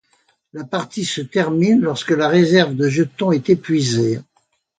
La partie se termine lorsque la réserve de jetons est épuisée.